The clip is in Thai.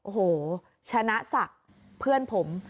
โอ้โหชนะศักดิ์เพื่อนผม